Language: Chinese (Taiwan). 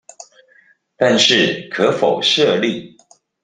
但是可否設立